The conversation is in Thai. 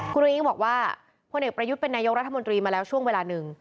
คุณอุ้งบอกว่าพลเอกประยุทธ์เป็นนายกรัฐมนตรีมาแล้วช่วงเวลาหนึ่ง